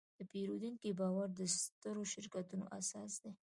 د پیرودونکي باور د سترو شرکتونو اساس دی.